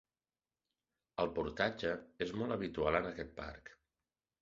El portatge és molt habitual en aquest parc.